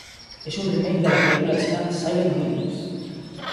Es un remake de la película China "Silent Witness".